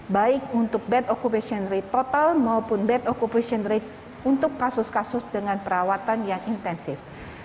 baik untuk bad occupation rate total maupun bad occupan rate untuk kasus kasus dengan perawatan yang intensif